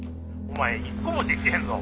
お前一個もできてへんぞ！